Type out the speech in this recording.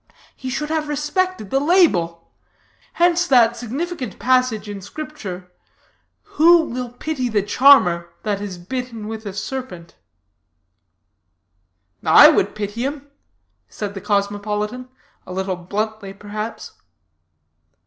He should have respected the label. Hence that significant passage in Scripture, 'Who will pity the charmer that is bitten with a serpent?'" "I would pity him," said the cosmopolitan, a little bluntly, perhaps.